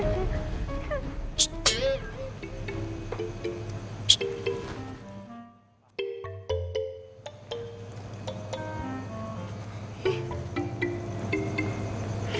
oke ya prisoners